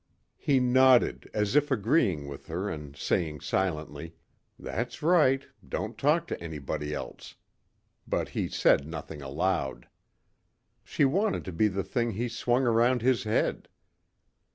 He nodded as if agreeing with her and saying silently, "That's right. Don't talk to anybody else." But he said nothing aloud. She wanted to be the thing he swung around his head.